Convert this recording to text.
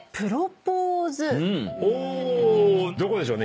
どこでしょうね？